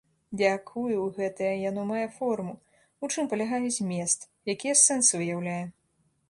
Якую гэтае яно мае форму, у чым палягае змест, якія сэнсы выяўляе?